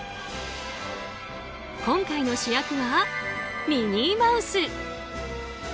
今回の主役は、ミニーマウス。